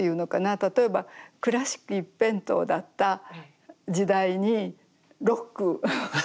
例えばクラシック一辺倒だった時代にロック。